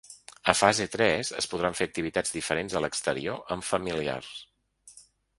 A fase tres es podran fer activitats diferents a l’exterior amb familiars.